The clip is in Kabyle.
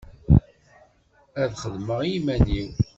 Ad xedmeɣ i iman-iw.